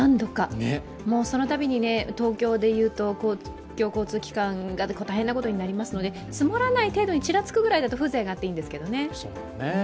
そのたびに東京で言うと、公共交通機関が大変なことになりますので、積もらない程度にちらつく程度だと風情があっていいんですけどね。